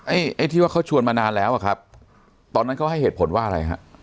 ไอ้ไอ้ที่ว่าเขาชวนมานานแล้วอ่ะครับตอนนั้นเขาให้เหตุผลว่าอะไรฮะ